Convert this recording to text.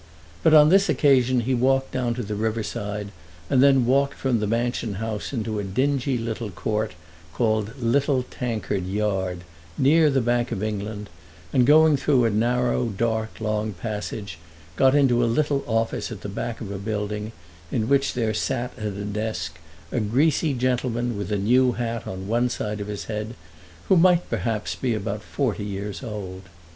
But on this occasion he walked down to the river side, and then walked from the Mansion House into a dingy little court called Little Tankard Yard, near the Bank of England, and going through a narrow dark long passage got into a little office at the back of a building, in which there sat at a desk a greasy gentleman with a new hat on one side of his head, who might perhaps be about forty years old.